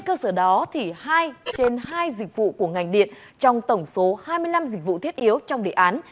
các dịch vụ của ngành điện trong tổng số hai mươi năm dịch vụ thiết yếu trong đề án